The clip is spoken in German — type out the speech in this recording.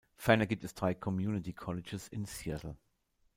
Ferner gibt es drei Community Colleges in Seattle.